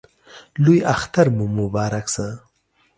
لوی اختر مو مبارک شه!